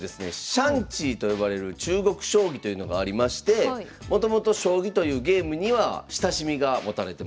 シャンチーと呼ばれる中国将棋というのがありましてもともと将棋というゲームには親しみが持たれてます。